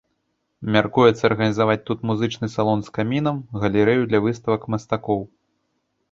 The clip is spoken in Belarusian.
Мяркуецца арганізаваць тут музычны салон з камінам, галерэю для выставак мастакоў.